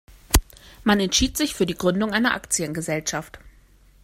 Man entschied sich für die Gründung einer Aktiengesellschaft.